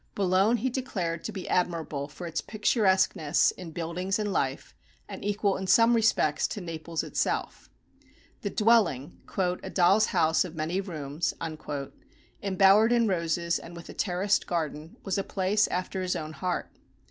Boulogne he declared to be admirable for its picturesqueness in buildings and life, and equal in some respects to Naples itself. The dwelling, "a doll's house of many rooms," embowered in roses, and with a terraced garden, was a place after his own heart.